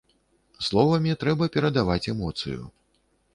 Словамі трэба перадаваць эмоцыю.